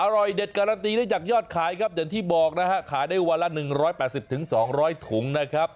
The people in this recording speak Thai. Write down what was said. อร่อยเด็ดการันตีได้จากยอดขายครับอย่างที่บอกนะฮะขายได้วันละ๑๘๐๒๐๐ถุงนะครับ